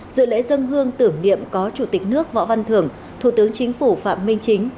dự lễ dân hương tưởng niệm có chủ tịch nước võ văn thưởng thủ tướng chính phủ phạm minh chính